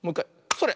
それ！